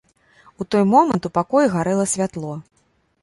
У той момант у пакоі гарэла святло.